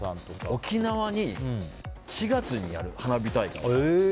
沖縄に４月にやる花火大会があって。